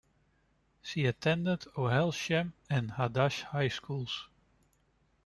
She attended Ohel Shem and "Hadash" high schools.